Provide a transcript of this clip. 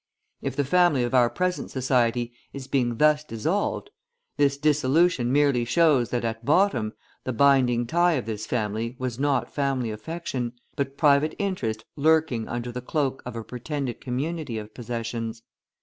If the family of our present society is being thus dissolved, this dissolution merely shows that, at bottom, the binding tie of this family was not family affection, but private interest lurking under the cloak of a pretended community of possessions.